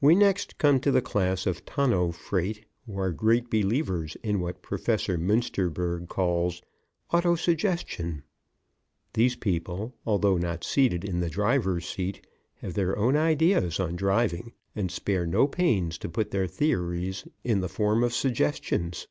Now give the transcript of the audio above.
We next come to the class of tonneau freight who are great believers in what Professor Muensterberg called "Auto Suggestion." These people, although not seated in the driver's seat, have their own ideas on driving and spare no pains to put their theories in the form of suggestions.